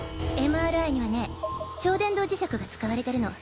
ＭＲＩにはね超電導磁石が使われてるの。